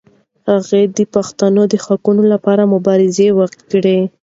هغه د پښتنو د حقونو لپاره مبارزه وکړه.